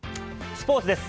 スポーツです。